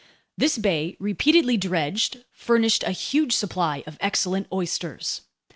This bay, repeatedly dredged, furnished a huge supply of excellent oysters.